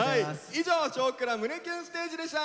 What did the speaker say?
以上「少クラ胸キュンステージ」でした！